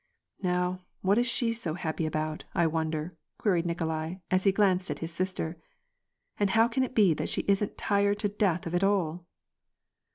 "Now, what is she so happy about, I wonder?" queried Nikolai, as he glanced at his sister. "And how can it be that she isn't tired to death of it all